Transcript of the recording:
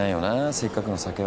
せっかくの酒を。